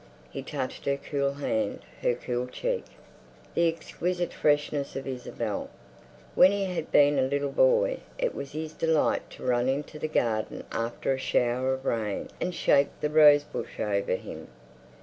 He touched her cool hand, her cool cheek. The exquisite freshness of Isabel! When he had been a little boy, it was his delight to run into the garden after a shower of rain and shake the rose bush over him.